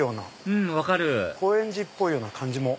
うん分かる高円寺っぽいような感じも。